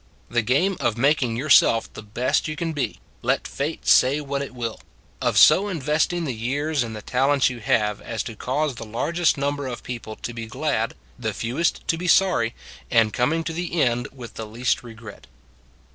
The game of making yourself the best you can be, let Fate say what it will; of so investing the years and the talents you have as to cause the largest number of people to be glad, the fewest to be sorry, and coming to the end with the least regret.